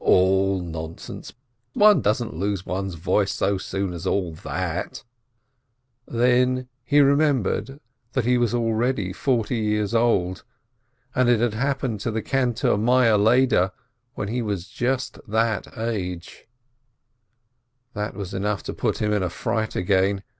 "All nonsense ! One doesn't lose one's voice so soon as all that !" Then he remembered that he was already forty years old, and it had happened to the cantor Meyer Lieder, when he was just that age — That was enough to put him into a fright again.